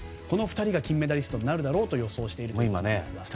この２人が金メダリストになるだろうと予想しています。